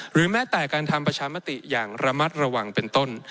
แม้แต่การทำประชามติอย่างระมัดระวังเป็นต้น